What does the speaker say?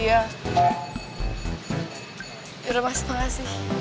yaudah mas makasih